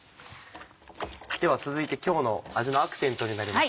では続いて今日の味のアクセントになります